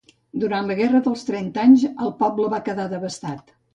Durant la Guerra dels Trenta Anys el poble va quedar devastat.